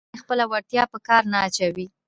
ځینې خپله وړتیا په کار نه اچوي.